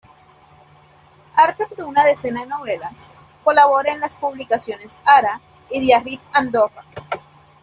Autor de una decena de novelas, colabora en las publicaciones "Ara" y "Diari d'Andorra".